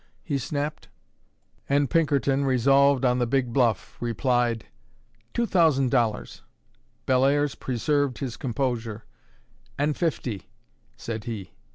he snapped. And Pinkerton, resolved on the big bluff, replied, "Two thousand dollars." Bellairs preserved his composure. "And fifty," said he.